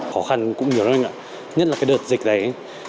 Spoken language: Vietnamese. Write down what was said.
khó khăn cũng nhiều hơn nhất là đợt dịch đấy